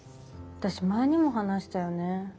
私前にも話したよね？